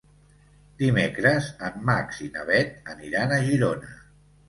Dimecres en Max i na Bet aniran a Girona.